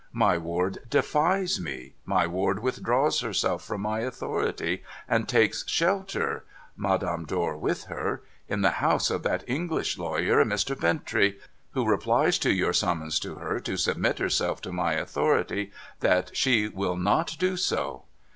My ward defies me. My ward withdraws herself from my authority, and takes shelter (Madame Dor with her) in the house of that English lawyer, Mr, Bintrey, who replies to your summons to her to submit herself to my authority, that she will not do so.'